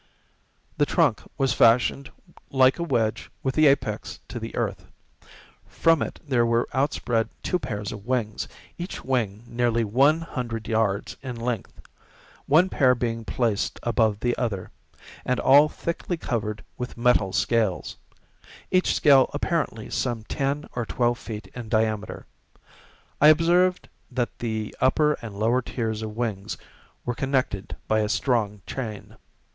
The trunk was fashioned like a wedge with the apex to the earth. From it there were outspread two pairs of wings—each wing nearly one hundred yards in length—one pair being placed above the other, and all thickly covered with metal scales; each scale apparently some ten or twelve feet in diameter. I observed that the upper and lower tiers of wings were connected by a strong chain.